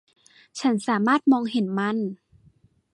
ฉันสามารถมองเห็นมัน